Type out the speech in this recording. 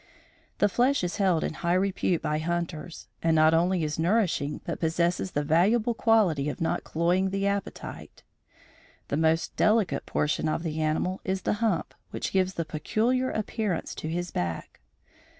The flesh is held in high repute by hunters, and not only is nourishing but possesses the valuable quality of not cloying the appetite. The most delicate portion of the animal is the hump which gives the peculiar appearance to his back.